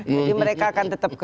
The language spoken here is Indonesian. jadi mereka akan tetap